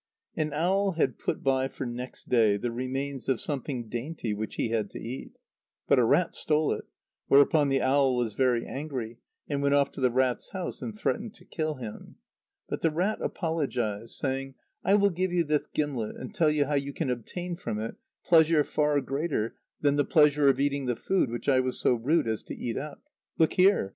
_[B] An owl had put by for next day the remains of something dainty which he had to eat. But a rat stole it, whereupon the owl was very angry, and went off to the rat's house, and threatened to kill him. But the rat apologised, saying: "I will give you this gimlet and tell you how you can obtain from it pleasure far greater than the pleasure of eating the food which I was so rude as to eat up. Look here!